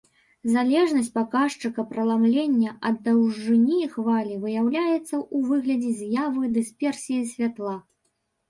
Залежнасць паказчыка праламлення ад даўжыні хвалі выяўляецца ў выглядзе з'явы дысперсіі святла.